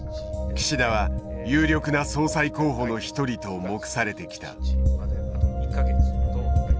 岸田は有力な総裁候補の一人と目されてきた。